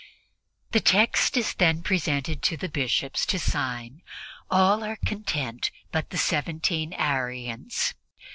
The text is then presented to the Bishops to sign. All are content but the seventeen Arians.